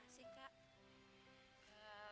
silahkan maju ke depan